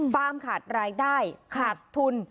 ฟาร์มขาดรายได้ขาดทุน